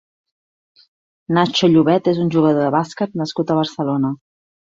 Nacho Llovet és un jugador de bàsquet nascut a Barcelona.